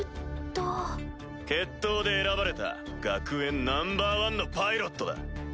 決闘で選ばれた学園ナンバー１のパイロットだ。